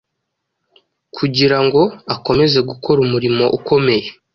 kugira ngo akomeze gukora umurimo ukomeye.